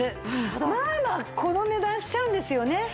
この値段しちゃうんですよね。